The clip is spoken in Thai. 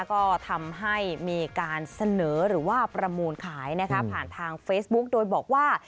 ก็ทำให้มีการเสนอหรือว่าประมูลขายนะคะผ่านทางเฟซบุ๊กโดยบอกว่า